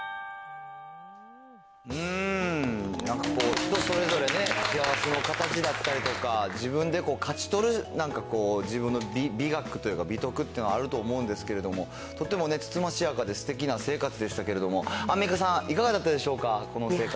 人それぞれね、幸せの形だったりとか、自分で勝ち取る自分の美学というか美徳というのがあると思うんですけど、とってもつつましやかですてきな生活でしたけれども、アンミカさん、いかがだったでしょうか、この生活。